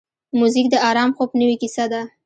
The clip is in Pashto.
موزیک د آرام خوب نوې کیسه ده.